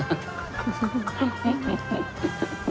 フフフフフ。